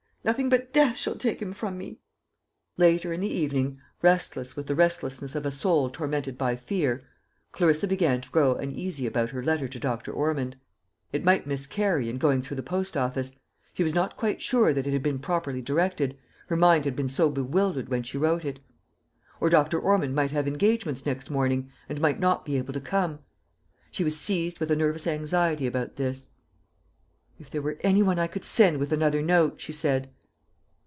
Nothing but death shall take him from me." Later in the evening, restless with the restlessness of a soul tormented by fear, Clarissa began to grow uneasy about her letter to Dr. Ormond. It might miscarry in going through the postoffice. She was not quite sure that it had been properly directed, her mind had been so bewildered when she wrote it. Or Dr. Ormond might have engagements next morning, and might not be able to come. She was seized with a nervous anxiety about this. "If there were any one I could send with another note," she said.